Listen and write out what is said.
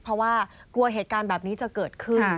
เพราะว่ากลัวเหตุการณ์แบบนี้จะเกิดขึ้น